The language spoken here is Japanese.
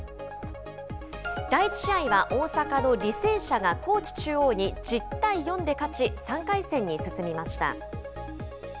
第１試合は、大阪の履正社が高知中央に１０対４で勝ち、３回戦に進みました。